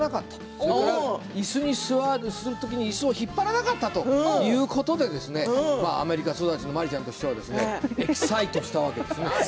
それから、いすに座る時にいすを引かなかったということでアメリカ育ちの麻里ちゃんとしてはエキサイトしたわけです。